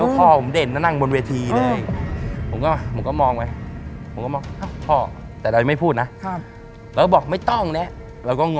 ตอนนั้นเราไม่รู้จักผีเออ